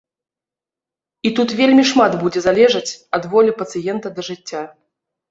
І тут вельмі шмат будзе залежаць ад волі пацыента да жыцця.